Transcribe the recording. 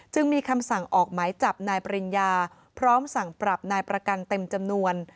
จึงมีคำสั่งออกหมายจับนายปริญญาพร้อมสั่งปรับนายประกันเต็มจำนวน